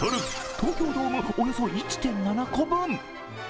東京ドームおよそ１．７個分。